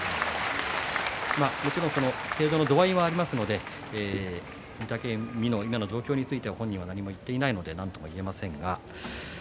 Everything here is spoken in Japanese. もちろん度合いがありますので御嶽海に今の状況については本人が何も言っていないのでなんとも言えませんが。